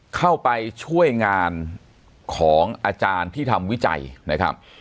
เข้าไปช่วยงานของอาจารย์ที่ทำวิจัยนะครับ